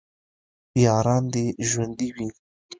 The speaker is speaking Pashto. یاران دې ژوندي وي